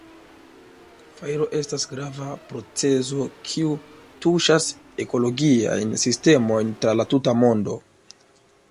Fajro estas grava procezo kiu tuŝas ekologiajn sistemojn tra la tuta mondo.